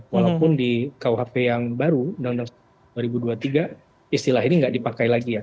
walaupun di qhap yang baru dua ribu dua puluh tiga istilah ini tidak dipakai lagi ya